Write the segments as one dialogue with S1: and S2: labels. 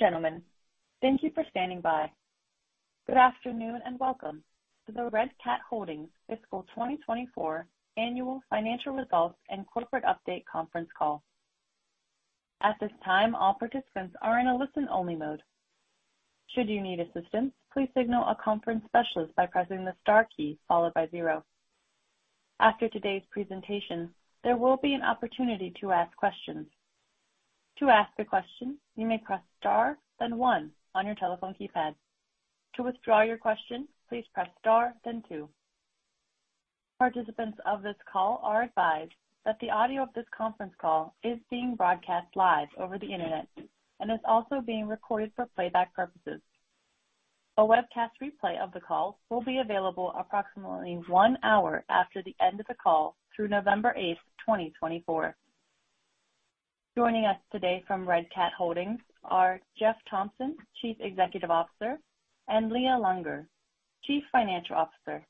S1: Ladies and gentlemen, thank you for standing by. Good afternoon, and welcome to the Red Cat Holdings fiscal 2024 annual financial results and corporate update conference call. At this time, all participants are in a listen-only mode. Should you need assistance, please signal a conference specialist by pressing the star key followed by zero. After today's presentation, there will be an opportunity to ask questions. To ask a question, you may press star, then one on your telephone keypad. To withdraw your question, please press star then two. Participants of this call are advised that the audio of this conference call is being broadcast live over the Internet and is also being recorded for playback purposes. A webcast replay of the call will be available approximately one hour after the end of the call through November 8th, 2024. Joining us today from Red Cat Holdings are Jeff Thompson, Chief Executive Officer, and Leah Lunger, Chief Financial Officer.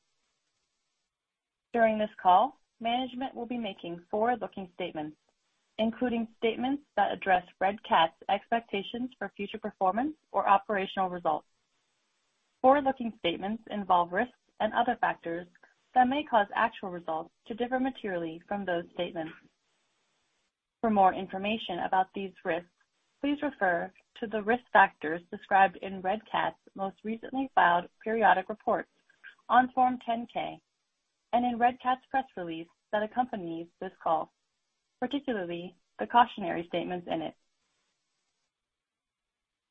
S1: During this call, management will be making forward-looking statements, including statements that address Red Cat's expectations for future performance or operational results. Forward-looking statements involve risks and other factors that may cause actual results to differ materially from those statements. For more information about these risks, please refer to the risk factors described in Red Cat's most recently filed periodic reports on Form 10-K and in Red Cat's press release that accompanies this call, particularly the cautionary statements in it.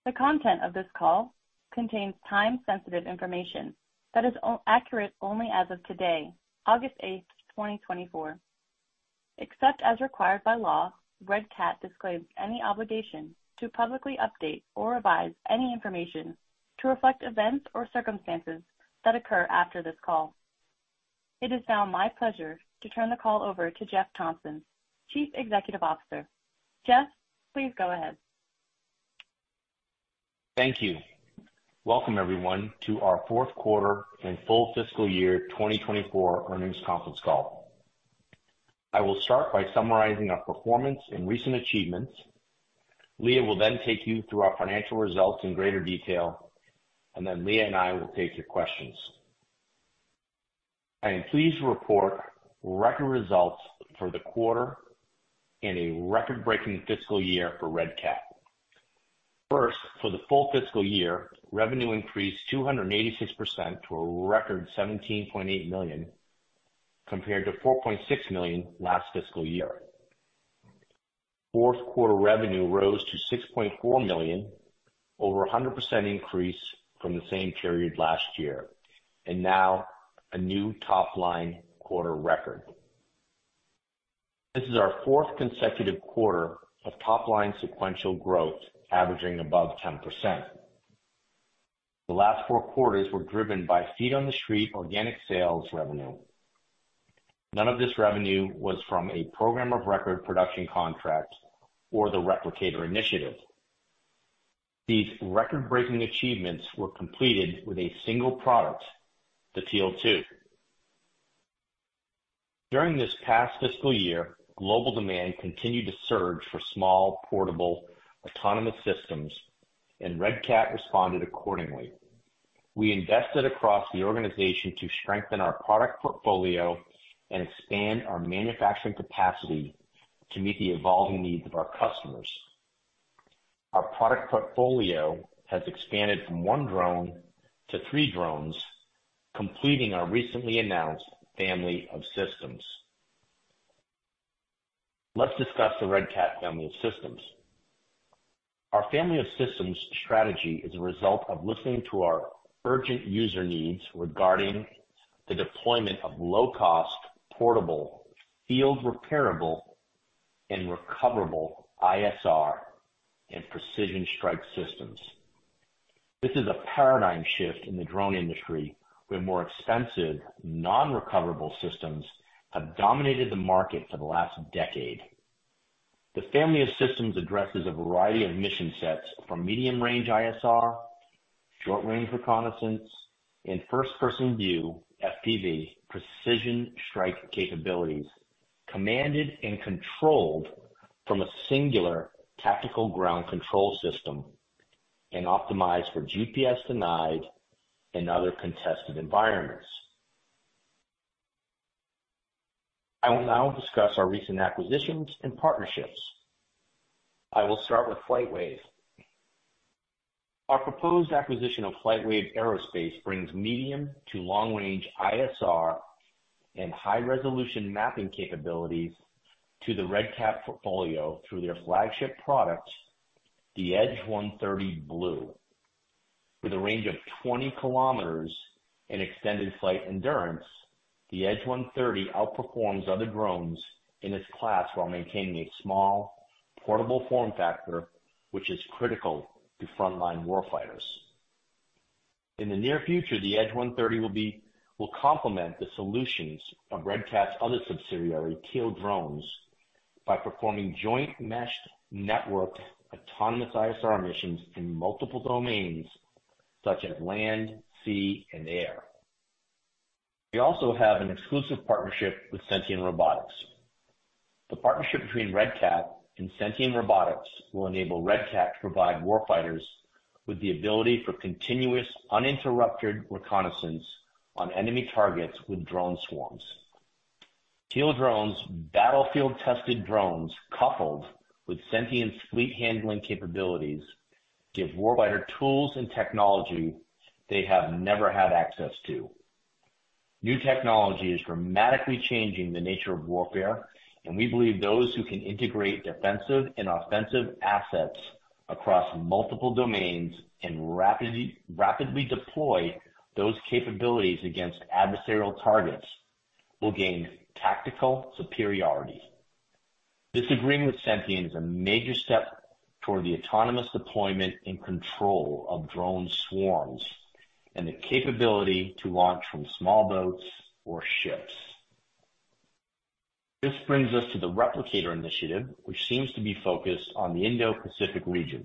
S1: The content of this call contains time-sensitive information that is accurate only as of today, August 8, 2024. Except as required by law, Red Cat disclaims any obligation to publicly update or revise any information to reflect events or circumstances that occur after this call. It is now my pleasure to turn the call over to Jeff Thompson, Chief Executive Officer. Jeff, please go ahead.
S2: Thank you. Welcome, everyone, to our fourth quarter and full fiscal year 2024 earnings conference call. I will start by summarizing our performance and recent achievements. Leah will then take you through our financial results in greater detail, and then Leah and I will take your questions. I am pleased to report record results for the quarter and a record-breaking fiscal year for Red Cat. First, for the full fiscal year, revenue increased 286% to a record $17.8 million, compared to $4.6 million last fiscal year. Fourth quarter revenue rose to $6.4 million, over 100% increase from the same period last year, and now a new top-line quarter record. This is our fourth consecutive quarter of top-line sequential growth, averaging above 10%. The last four quarters were driven by feet on the street organic sales revenue. None of this revenue was from a Program of Record production contracts or the Replicator Initiative. These record-breaking achievements were completed with a single product, the Teal 2. During this past fiscal year, global demand continued to surge for small, portable, autonomous systems, and Red Cat responded accordingly. We invested across the organization to strengthen our product portfolio and expand our manufacturing capacity to meet the evolving needs of our customers. Our product portfolio has expanded from one drone to three drones, completing our recently announced Family of Systems. Let's discuss the Red Cat Family of Systems. Our Family of Systems strategy is a result of listening to our urgent user needs regarding the deployment of low-cost, portable, field-repairable, and recoverable ISR and precision strike systems. This is a paradigm shift in the drone industry, where more expensive, non-recoverable systems have dominated the market for the last decade. The family of systems addresses a variety of mission sets from medium-range ISR, short-range reconnaissance, and first-person view, FPV, precision strike capabilities, commanded and controlled from a singular tactical ground control system and optimized for GPS-denied and other contested environments. I will now discuss our recent acquisitions and partnerships. I will start with FlightWave. Our proposed acquisition of FlightWave Aerospace brings medium to long-range ISR and high-resolution mapping capabilities to the Red Cat portfolio through their flagship product, the Edge 130 Blue. With a range of 20 km and extended flight endurance, the Edge 130 outperforms other drones in its class while maintaining a small, portable form factor, which is critical to frontline warfighters. In the near future, the Edge 130 will complement the solutions of Red Cat's other subsidiary, Teal Drones, by performing joint meshed network, autonomous ISR missions in multiple domains such as land, sea, and air. We also have an exclusive partnership with Sentien Robotics. The partnership between Red Cat and Sentien Robotics will enable Red Cat to provide warfighters with the ability for continuous, uninterrupted reconnaissance on enemy targets with drone swarms. Teal Drones, battlefield-tested drones, coupled with Sentien's fleet handling capabilities, give warfighter tools and technology they have never had access to. New technology is dramatically changing the nature of warfare, and we believe those who can integrate defensive and offensive assets across multiple domains and rapidly deploy those capabilities against adversarial targets will gain tactical superiority. This agreement with Sentien is a major step toward the autonomous deployment and control of drone swarms, and the capability to launch from small boats or ships. This brings us to the Replicator Initiative, which seems to be focused on the Indo-Pacific region.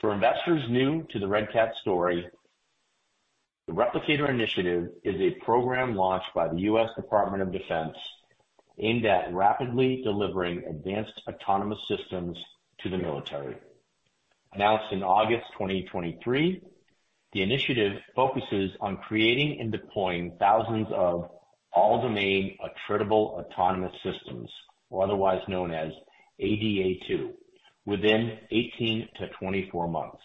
S2: For investors new to the Red Cat story, the Replicator Initiative is a program launched by the U.S. Department of Defense aimed at rapidly delivering advanced autonomous systems to the military. Announced in August 2023, the initiative focuses on creating and deploying thousands of all-domain attritable autonomous systems, or otherwise known as ADA2, within 18-24 months.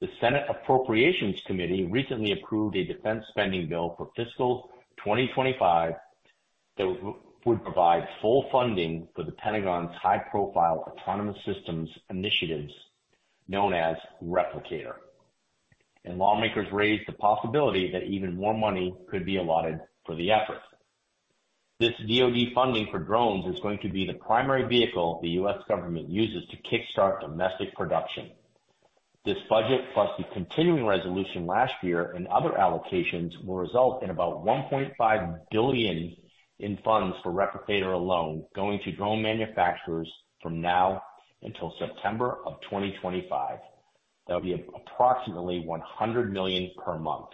S2: The Senate Appropriations Committee recently approved a defense spending bill for fiscal 2025 that would provide full funding for the Pentagon's high-profile autonomous systems initiatives known as Replicator. And lawmakers raised the possibility that even more money could be allotted for the effort. This DoD funding for drones is going to be the primary vehicle the U.S. government uses to kickstart domestic production. This budget, plus the continuing resolution last year and other allocations, will result in about $1.5 billion in funds for Replicator alone, going to drone manufacturers from now until September of 2025. That'll be approximately $100 million per month.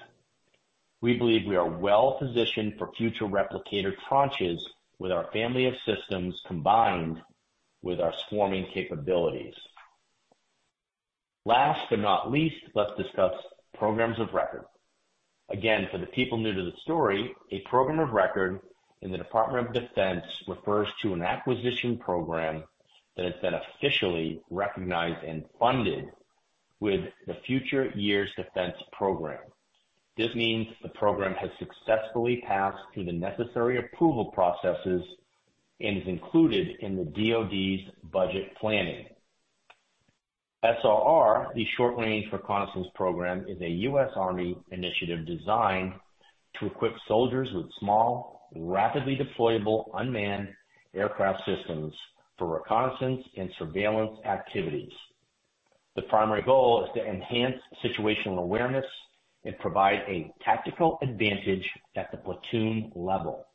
S2: We believe we are well positioned for future Replicator tranches with our Family of Systems, combined with our swarming capabilities. Last but not least, let's discuss programs of record. Again, for the people new to the story, a program of record in the Department of Defense refers to an acquisition program that has been officially recognized and funded with the Future Years Defense Program. This means the program has successfully passed through the necessary approval processes and is included in the DoD's budget planning. SRR, the Short-Range Reconnaissance program, is a U.S. Army initiative designed to equip soldiers with small, rapidly deployable unmanned aircraft systems for reconnaissance and surveillance activities. The primary goal is to enhance situational awareness and provide a tactical advantage at the platoon level.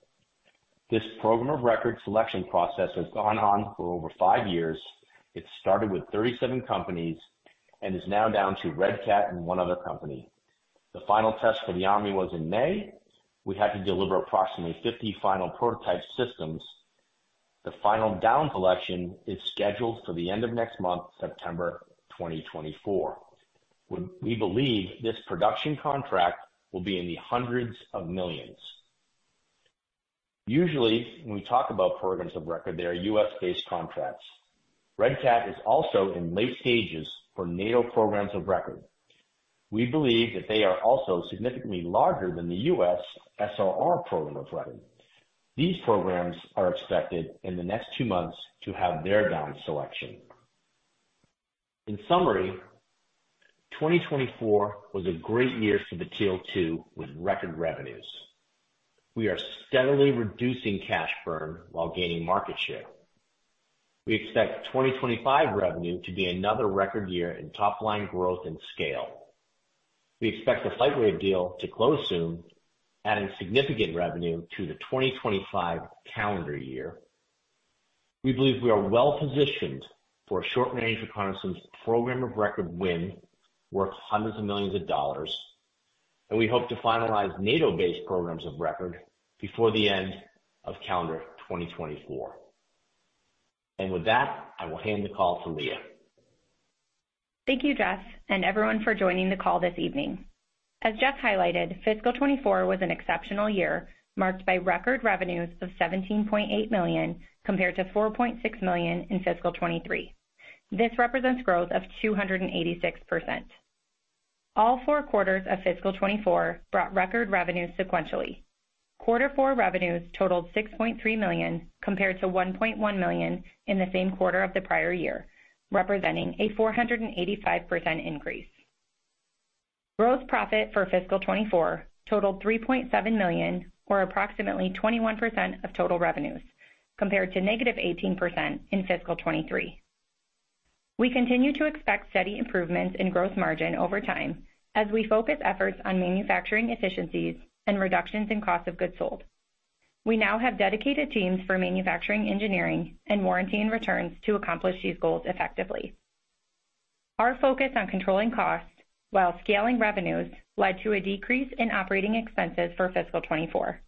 S2: This program of record selection process has gone on for over five years. It started with 37 companies and is now down to Red Cat and one other company. The final test for the Army was in May. We had to deliver approximately 50 final prototype systems. The final down selection is scheduled for the end of next month, September 2024. We believe this production contract will be in the $100s of millions. Usually, when we talk about programs of record, they are U.S.-based contracts. Red Cat is also in late stages for NATO programs of record. We believe that they are also significantly larger than the U.S. SRR program of record. These programs are expected in the next two months to have their down selection. In summary, 2024 was a great year for the Teal 2 with record revenues. We are steadily reducing cash burn while gaining market share. We expect 2025 revenue to be another record year in top-line growth and scale. We expect the FlightWave deal to close soon, adding significant revenue to the 2025 calendar year. We believe we are well positioned for a short-range reconnaissance program of record win worth $100s of millions, and we hope to finalize NATO-based programs of record before the end of calendar 2024. With that, I will hand the call to Leah.
S3: Thank you, Jeff, and everyone for joining the call this evening. As Jeff highlighted, fiscal 2024 was an exceptional year, marked by record revenues of $17.8 million, compared to $4.6 million in fiscal 2023. This represents growth of 286%. All four quarters of fiscal 2024 brought record revenues sequentially. Quarter four revenues totaled $6.3 million, compared to $1.1 million in the same quarter of the prior year, representing a 485% increase. Gross profit for fiscal 2024 totaled $3.7 million, or approximately 21% of total revenues, compared to -18% in fiscal 2023. We continue to expect steady improvements in gross margin over time as we focus efforts on manufacturing efficiencies and reductions in cost of goods sold. We now have dedicated teams for manufacturing engineering, and warranty and returns to accomplish these goals effectively. Our focus on controlling costs while scaling revenues led to a decrease in operating expenses for fiscal 2024.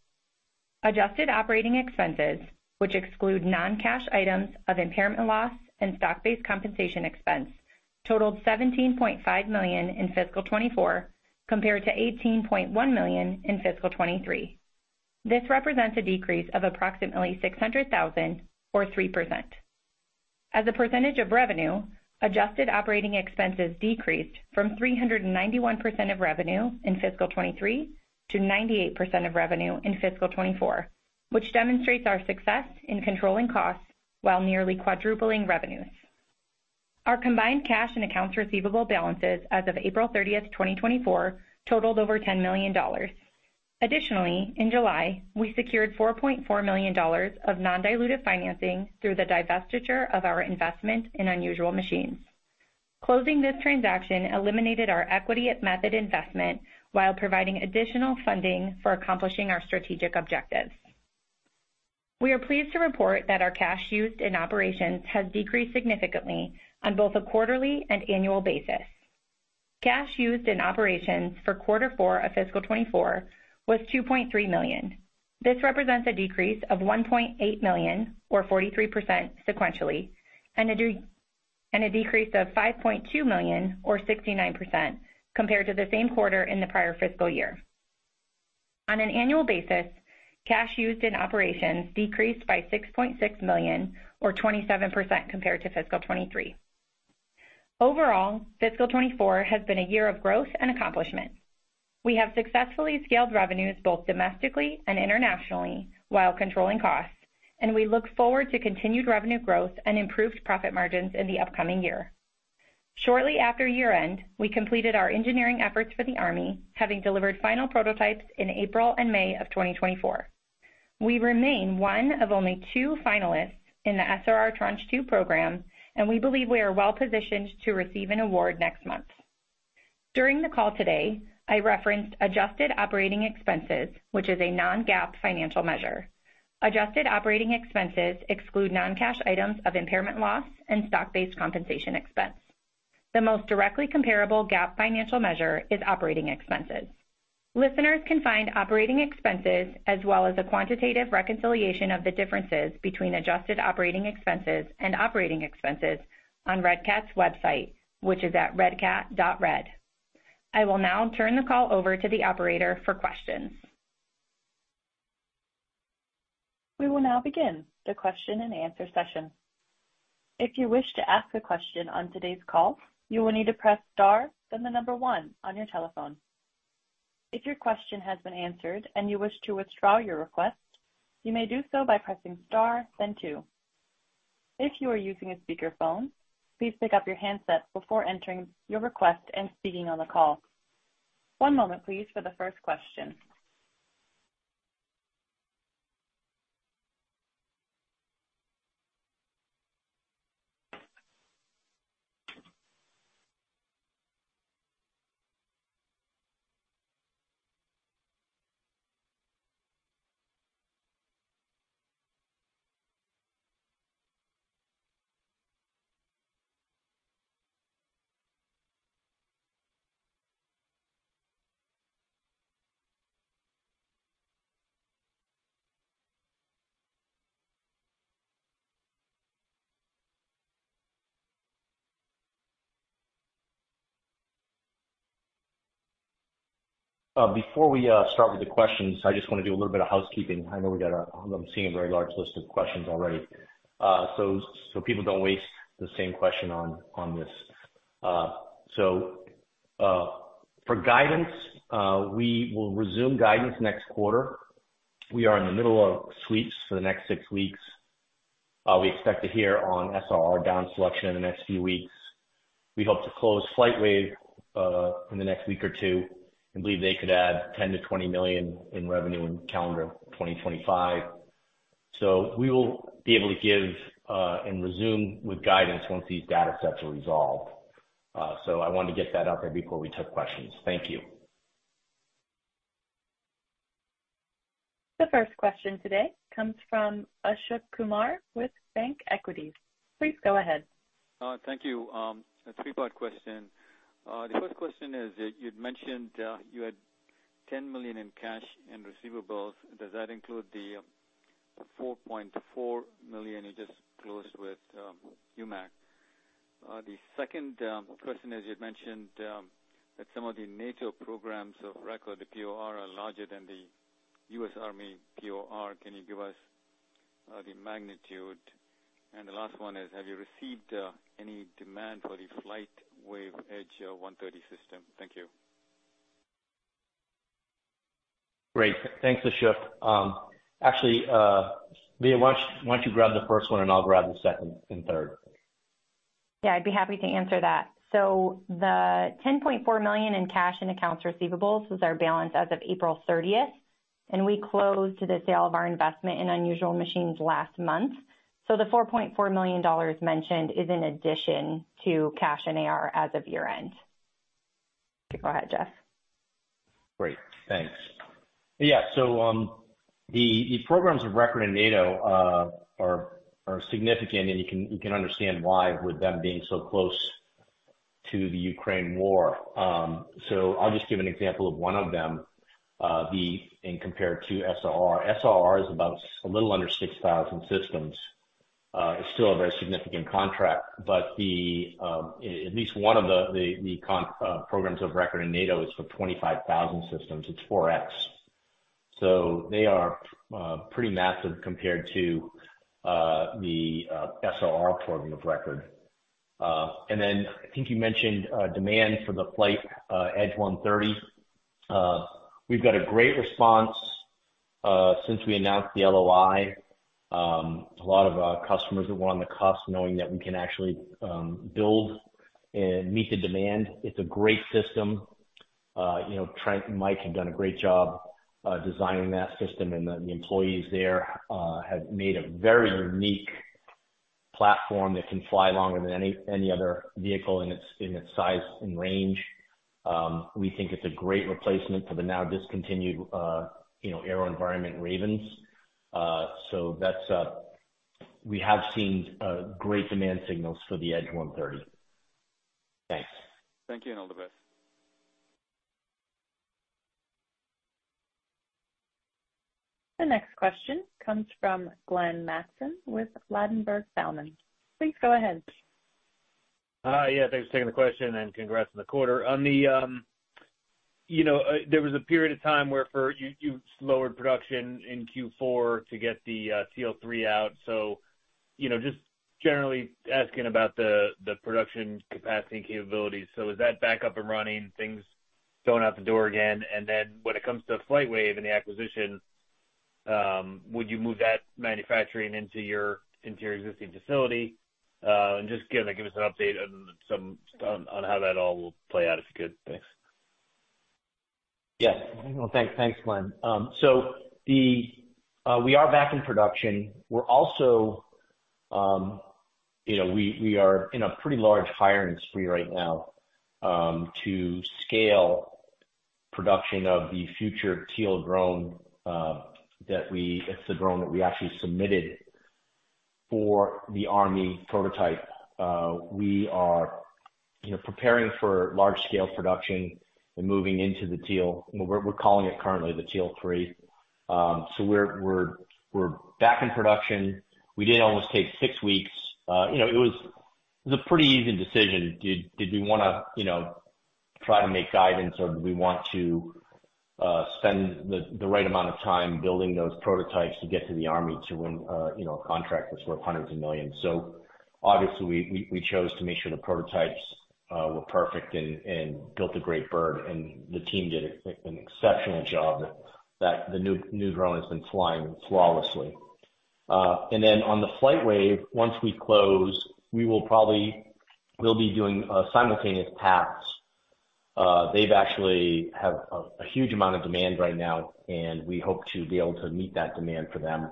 S3: Adjusted operating expenses, which exclude non-cash items of impairment loss and stock-based compensation expense, totaled $17.5 million in fiscal 2024, compared to $18.1 million in fiscal 2023. This represents a decrease of approximately $600,000 or 3%. As a percentage of revenue, adjusted operating expenses decreased from 391% of revenue in fiscal 2023 to 98% of revenue in fiscal 2024, which demonstrates our success in controlling costs while nearly quadrupling revenues. Our combined cash and accounts receivable balances as of April 30, 2024, totaled over $10 million. Additionally, in July, we secured $4.4 million of non-dilutive financing through the divestiture of our investment in Unusual Machines. Closing this transaction eliminated our equity method investment, while providing additional funding for accomplishing our strategic objectives. We are pleased to report that our cash used in operations has decreased significantly on both a quarterly and annual basis. Cash used in operations for quarter four of fiscal 2024 was $2.3 million. This represents a decrease of $1.8 million, or 43% sequentially, and a decrease of $5.2 million, or 69%, compared to the same quarter in the prior fiscal year. On an annual basis, cash used in operations decreased by $6.6 million, or 27% compared to fiscal 2023. Overall, fiscal 2024 has been a year of growth and accomplishment. We have successfully scaled revenues, both domestically and internationally, while controlling costs, and we look forward to continued revenue growth and improved profit margins in the upcoming year. Shortly after year-end, we completed our engineering efforts for the Army, having delivered final prototypes in April and May of 2024. We remain one of only two finalists in the SRR Tranche 2 program, and we believe we are well positioned to receive an award next month. During the call today, I referenced adjusted operating expenses, which is a non-GAAP financial measure. Adjusted operating expenses exclude non-cash items of impairment loss and stock-based compensation expense. The most directly comparable GAAP financial measure is operating expenses. Listeners can find operating expenses as well as a quantitative reconciliation of the differences between adjusted operating expenses and operating expenses on Red Cat's website, which is at redcat.red. I will now turn the call over to the operator for questions.
S1: We will now begin the question-and-answer session. If you wish to ask a question on today's call, you will need to press star, then the number one on your telephone. If your question has been answered and you wish to withdraw your request, you may do so by pressing star, then two. If you are using a speakerphone, please pick up your handset before entering your request and speaking on the call. One moment please, for the first question.
S2: Before we start with the questions, I just want to do a little bit of housekeeping. I know we got a-- I'm seeing a very large list of questions already, so people don't waste the same question on this. For guidance, we will resume guidance next quarter. We are in the middle of sweeps for the next six weeks. We expect to hear on SRR down selection in the next few weeks. We hope to close FlightWave in the next week or two, and believe they could add $10 million-$20 million in revenue in calendar 2025. So we will be able to give and resume with guidance once these data sets are resolved. So I wanted to get that out there before we took questions. Thank you.
S1: The first question today comes from Ashok Kumar with ThinkEquity. Please go ahead.
S4: Thank you. A three-part question. The first question is that you'd mentioned you had $10 million in cash and receivables. Does that include the $4.4 million you just closed with Unusual Machines? The second question is, you'd mentioned that some of the NATO programs of record, the POR, are larger than the US Army POR. Can you give us the magnitude? And the last one is, have you received any demand for the FlightWave Edge 130 system? Thank you.
S2: Great. Thanks, Ashok. Actually, Leah, why don't you grab the first one, and I'll grab the second and third?
S3: Yeah, I'd be happy to answer that. So the $10.4 million in cash and accounts receivables was our balance as of April 30th, and we closed the sale of our investment in Unusual Machines last month. So the $4.4 million mentioned is in addition to cash and AR as of year-end.... Go ahead, Jeff.
S2: Great, thanks. Yeah, so the programs of record in NATO are significant, and you can understand why, with them being so close to the Ukraine war. So I'll just give an example of one of them. And compared to SRR. SRR is about a little under 6,000 systems. It's still a very significant contract, but at least one of the programs of record in NATO is for 25,000 systems. It's 4X. So they are pretty massive compared to the SRR program of record. And then I think you mentioned demand for the FlightWave Edge 130. We've got a great response since we announced the LOI. A lot of our customers are on the cusp, knowing that we can actually build and meet the demand. It's a great system. You know, Trent and Mike have done a great job designing that system, and the employees there have made a very unique platform that can fly longer than any other vehicle in its size and range. We think it's a great replacement for the now discontinued, you know, AeroVironment Ravens. So that's... We have seen great demand signals for the Edge 130. Thanks.
S4: Thank you, and all the best.
S1: The next question comes from Glenn Mattson with Ladenburg Thalmann. Please go ahead.
S5: Yeah, thanks for taking the question, and congrats on the quarter. On the, you know, there was a period of time where for you, you slowed production in Q4 to get the Teal 3 out. So, you know, just generally asking about the production capacity and capabilities. So is that back up and running, things going out the door again? And then when it comes to FlightWave and the acquisition, would you move that manufacturing into your existing facility? And just kind of give us an update on how that all will play out, if you could. Thanks.
S2: Yeah. Well, thanks. Thanks, Glenn. So we are back in production. We're also, you know, we are in a pretty large hiring spree right now, to scale production of the future Teal drone, that we—it's the drone that we actually submitted for the Army prototype. We are, you know, preparing for large-scale production and moving into the Teal. We're calling it currently the Teal 3. So we're back in production. We did almost take six weeks. You know, it was a pretty easy decision. Did we wanna, you know, try to make guidance, or did we want to spend the right amount of time building those prototypes to get to the Army to win, you know, a contract that's worth $100s of millions? So obviously, we chose to make sure the prototypes were perfect and built a great bird, and the team did an exceptional job that the new drone has been flying flawlessly. And then on the FlightWave, once we close, we will probably—we'll be doing simultaneous paths. They've actually have a huge amount of demand right now, and we hope to be able to meet that demand for them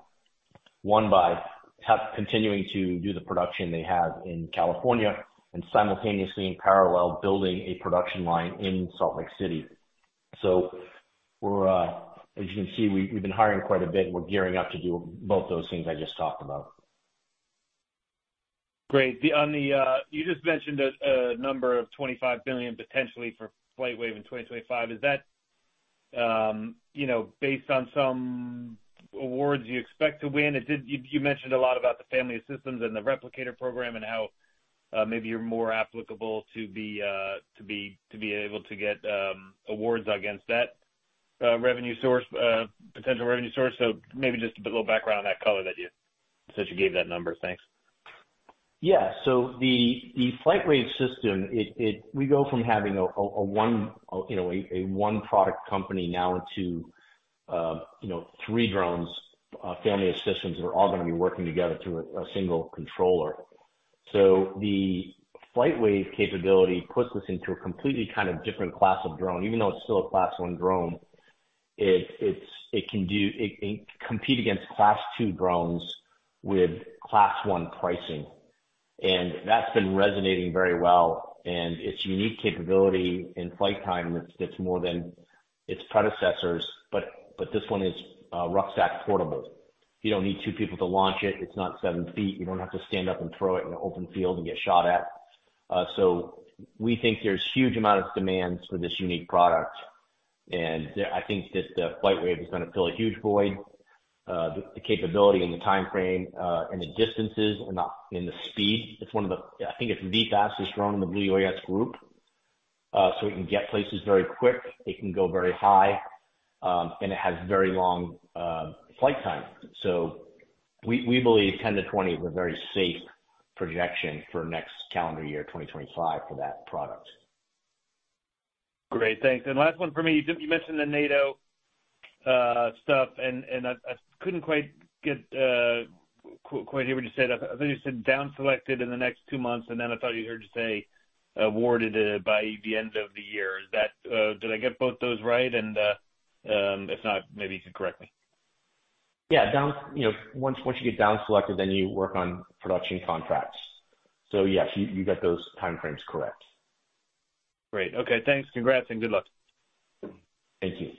S2: by having continuing to do the production they have in California and simultaneously in parallel, building a production line in Salt Lake City. So we're, as you can see, we've been hiring quite a bit, and we're gearing up to do both those things I just talked about.
S5: Great. Then, on the, you just mentioned a number of $25 billion potentially for FlightWave in 2025. Is that, you know, based on some awards you expect to win? You mentioned a lot about the family of systems and the Replicator program and how maybe you're more applicable to be able to get awards against that revenue source, potential revenue source. So maybe just a bit little background on that color that you, since you gave that number. Thanks.
S2: Yeah. So the FlightWave system, it we go from having a one, you know, a one-product company now to, you know, three drones, Family of Systems that are all gonna be working together through a single controller. So the FlightWave capability puts us into a completely kind of different class of drone. Even though it's still a Class one drone, it can do... it compete against Class two drones with Class two pricing, and that's been resonating very well. And its unique capability in flight time, it's more than its predecessors, but this one is rucksack portable. You don't need two people to launch it. It's not seven feet. You don't have to stand up and throw it in an open field and get shot at. So we think there's huge amount of demand for this unique product, and, I think this, the FlightWave is gonna fill a huge void. The capability and the timeframe, and the distances and the speed, it's one of the... I think it's the fastest drone in the UAS group. So it can get places very quick, it can go very high, and it has very long flight time. So we believe 10-20 is a very safe projection for next calendar year, 2025, for that product.
S5: Great, thanks. Last one for me. You mentioned the NATO stuff, and I couldn't quite hear what you said. I thought you said downselected in the next two months, and then I thought you said awarded by the end of the year. Is that? Did I get both those right? If not, maybe you could correct me. ...
S2: Yeah, down, you know, once you get down selected, then you work on production contracts. So yes, you get those timeframes correct.
S5: Great. Okay, thanks. Congrats and good luck.
S2: Thank you.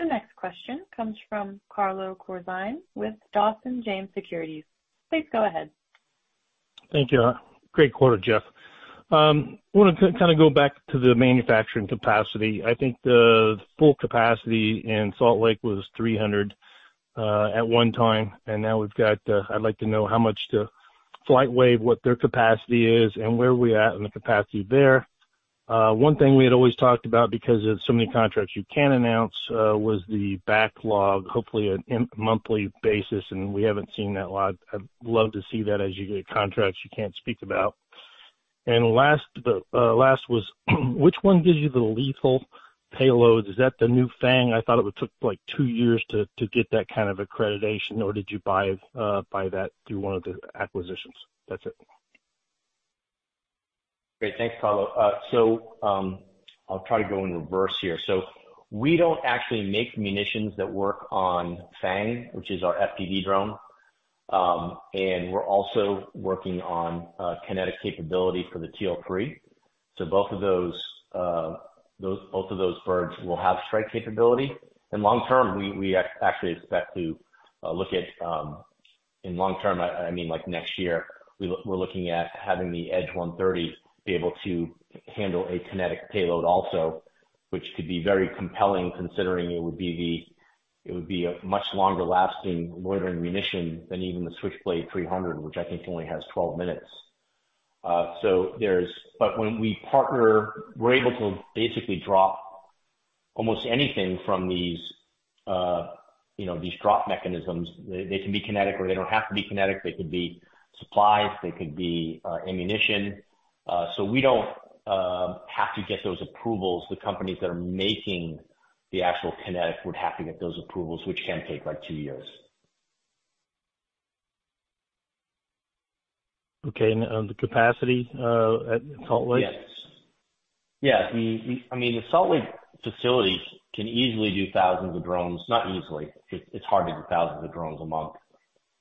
S1: The next question comes from Carlo Corzine with Dawson James Securities. Please go ahead.
S6: Thank you. Great quarter, Jeff. I wanted to kind of go back to the manufacturing capacity. I think the full capacity in Salt Lake was 300 at one time, and now we've got... I'd like to know how much the FlightWave, what their capacity is and where are we at in the capacity there. One thing we had always talked about, because of so many contracts you can't announce, was the backlog, hopefully a monthly basis, and we haven't seen that a lot. I'd love to see that as you get contracts you can't speak about. And last, but last was, which one gives you the lethal payload? Is that the new Fang? I thought it would took, like, two years to get that kind of accreditation, or did you buy that through one of the acquisitions? That's it.
S2: Great. Thanks, Carlo. I'll try to go in reverse here. So we don't actually make munitions that work on Fang, which is our FPV drone. We're also working on kinetic capability for the Teal 3. So both of those birds will have strike capability. And long term, we actually expect to look at, in long term, I mean, like, next year, we're looking at having the Edge 130 be able to handle a kinetic payload also, which could be very compelling, considering it would be a much longer lasting loitering munition than even the Switchblade 300, which I think only has 12 minutes. But when we partner, we're able to basically drop almost anything from these, you know, these drop mechanisms. They can be kinetic, or they don't have to be kinetic. They could be supplies, they could be ammunition. So we don't have to get those approvals. The companies that are making the actual kinetic would have to get those approvals, which can take, like, two years.
S6: Okay, and, the capacity at Salt Lake?
S2: Yes. Yeah, I mean, the Salt Lake facilities can easily do thousands of drones. Not easily, it's hard to do thousands of drones a month,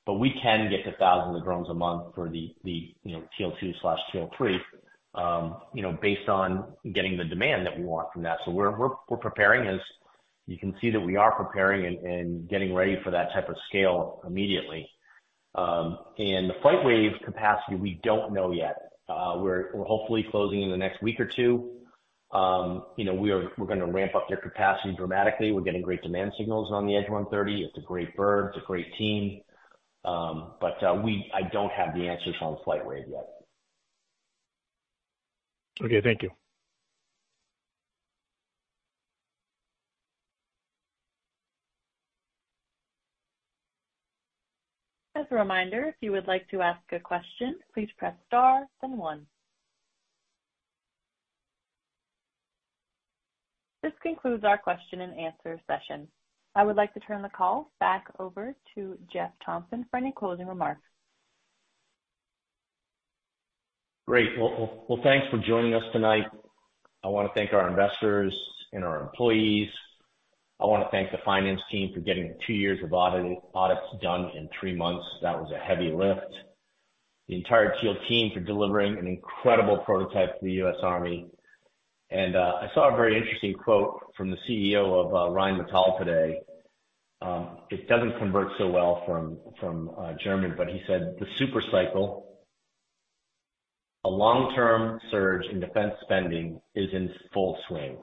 S2: but we can get to thousands of drones a month for the, you know, Teal 2/Teal 3, you know, based on getting the demand that we want from that. So we're preparing. You can see that we are preparing and getting ready for that type of scale immediately. And the FlightWave capacity, we don't know yet. We're hopefully closing in the next week or two. You know, we're gonna ramp up their capacity dramatically. We're getting great demand signals on the Edge 130. It's a great bird, it's a great team. But we don't have the answers on FlightWave yet.
S6: Okay, thank you.
S1: As a reminder, if you would like to ask a question, please press star then one. This concludes our question and answer session. I would like to turn the call back over to Jeff Thompson for any closing remarks.
S2: Great. Well, well, well, thanks for joining us tonight. I want to thank our investors and our employees. I want to thank the finance team for getting two years of audit, audits done in three months. That was a heavy lift. The entire Teal team for delivering an incredible prototype to the U.S. Army. And I saw a very interesting quote from the CEO of Rheinmetall today. It doesn't convert so well from German, but he said, "The super cycle, a long-term surge in defense spending, is in full swing."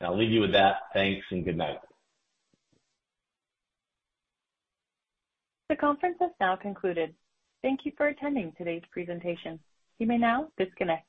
S2: I'll leave you with that. Thanks and good night.
S1: The conference has now concluded. Thank you for attending today's presentation. You may now disconnect.